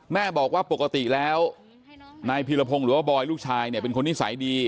แม่บอกว่าปกติแล้วนายพีรพงศ์หรือว่าบอยลูกชายเนี่ยเป็นคนนิสัยดี